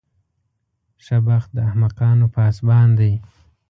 ښه بخت د احمقانو پاسبان دی.